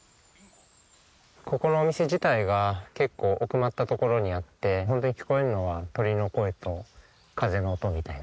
ここのお店自体が結構奥まった所にあってホントに聞こえるのは鳥の声と風の音みたいな。